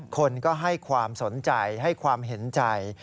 คนก็ให้ความสนใจให้ความเห็นใจ